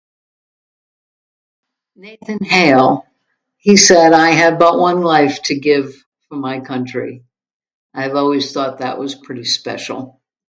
"Nathan Hale... he said, ""I have but one life to give for my country."" I've always thought that was pretty special."